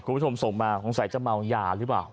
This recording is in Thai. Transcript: คุณผู้ชมสมมาคงใส่จะเมาหยาหรือเปล่า